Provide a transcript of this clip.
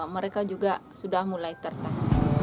mereka juga sudah mulai tertas